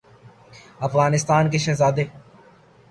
افغانستان کےشہزاد ے